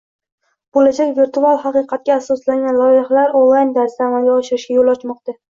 Bo'lajak virtual haqiqatga asoslangan loyihalar onlayn tarzda amalga oshishiga yo'l ochmoqda